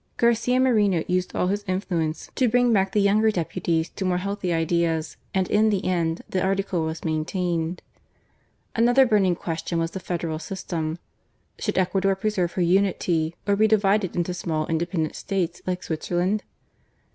Garcia Moreno used all his influence to bring back the younger deputies to more healthy ideas, and in the end the Article was maintained. Another burning question was the federal system. Should Ecuador preserve her unity ? or be divided into small independent states like Switzerland?